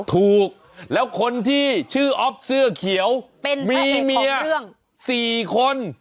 ถูกแล้วคนที่ชื่ออ๊อฟเสื้อเขียวเป็นแพะเอกของเรื่องมีเมียสี่คน